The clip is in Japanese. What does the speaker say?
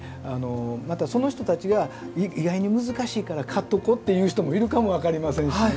またその人たちが意外に難しいから買っとこっていう人もいるかも分かりませんしね。